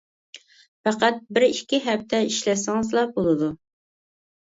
پەقەت بىر ئىككى ھەپتە ئىشلەتسىڭىزلا بولىدۇ.